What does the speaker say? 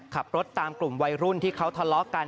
ขับรถตามกลุ่มวัยรุ่นที่เขาทะเลาะกัน